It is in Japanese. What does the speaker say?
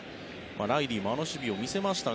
ライリーもあの守備を見せましたが